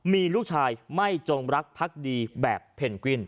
มีลูกชายไม่จงรักพักดีแบบเพนกวิน